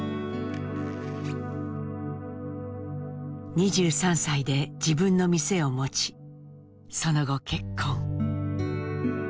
２３歳で自分の店を持ちその後結婚。